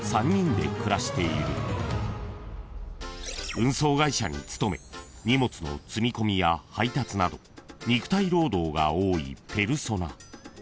［運送会社に勤め荷物の積み込みや配達など肉体労働が多いペルソナ］